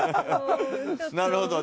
なるほど。